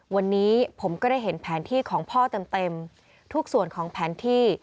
วันนี้ผมก็ได้เห็นแผนที่ของพ่อเต็มทุกส่วนของแผนที่